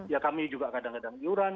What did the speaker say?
ya kami juga kadang kadang iuran